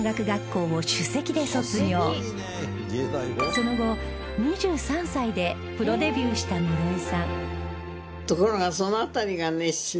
その後２３歳でプロデビューした室井さん